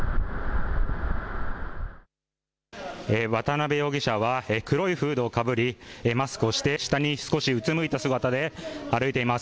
渡邉容疑者は、黒いフードをかぶり、マスクをして下に少しうつむいた姿で歩いています。